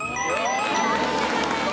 正解です。